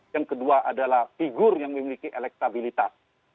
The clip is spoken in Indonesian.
yang kedua adalah figur yang memiliki elektabilitas